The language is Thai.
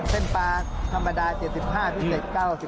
เส้นปลาธรรมดา๗๕พิเศษ๙๐